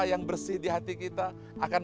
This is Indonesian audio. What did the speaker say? yang bersih di hati kita akan